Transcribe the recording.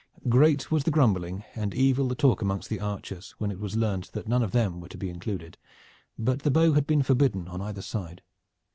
Great was the grumbling and evil the talk amongst the archers when it was learned that none of them were to be included, but the bow had been forbidden on either side.